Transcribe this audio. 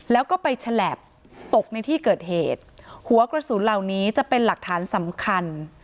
แล้วก็ไปฉลับตกในที่เกิดเหตุหัวกระสุนเหล่านี้จะเป็นหลักฐานสำคัญ